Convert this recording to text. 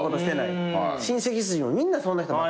親戚筋もみんなそんな人ばっかり。